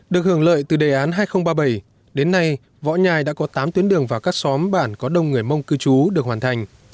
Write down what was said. được hưởng lợi từ đề án hai nghìn ba mươi bảy đến nay võ nhai đã có tám tuyến đường và các xóm bản có đông người mông cư trú được hoàn thành